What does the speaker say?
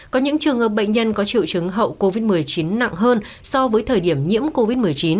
có những trường hợp bệnh nhân có triệu chứng hậu covid một mươi chín nặng hơn so với thời điểm nhiễm covid một mươi chín